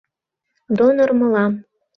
Донор — мылам.